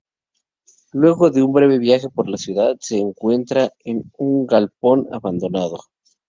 Luego de un breve viaje por la ciudad, se encuentran en un galpón abandonado.